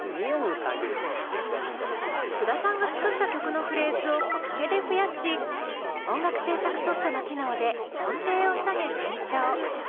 須田さんが作った曲のフレーズをコピペで増やし音楽制作ソフトの機能で音程を下げ転調。